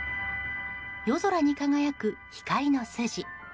夜空に輝く光の筋。